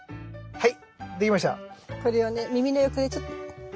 はい。